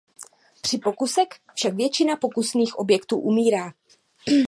Při pokusech však většina pokusných objektů umírá.